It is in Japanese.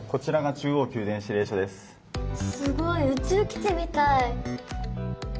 すごい宇宙基地みたい。